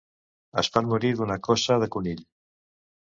Es pot morir d'una coça de conill.